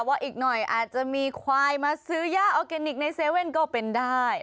ว่าอีกหน่อยอาจจะมีควายมาซื้อยากออเกเนม์กินในเซเว่นก็เป็นได้